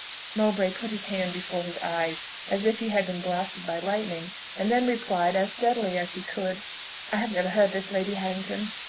Mowbray put his hand before his eyes, as if he had been blasted by lightning, and then replied, as steadily as he could, "I have never heard this, Lady Harrington."